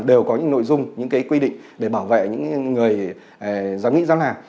đều có những nội dung những cái quy định để bảo vệ những người dám nghĩ dám làm